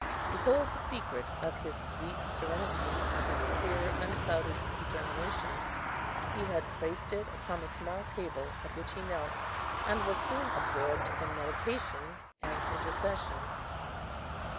Behold the secret of his sweet serenity, and his clear unclouded determination. He had placed it upon the small table at which he knelt, and was soon absorbed in meditation and intercession.